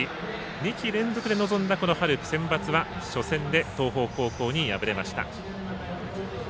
２季連続で望んだこの春センバツは初戦で東邦高校に敗れました。